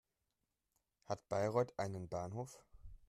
Hat Bayreuth einen Bahnhof?